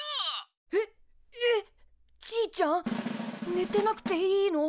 ねてなくていいの？